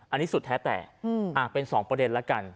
อันนี้สุดแท้แต่เป็น๒ประเด็นแล้วกัน